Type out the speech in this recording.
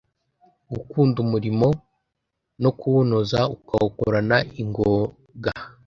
Gukunda umurimo no kuwunoza: ukuwukorana ingoga,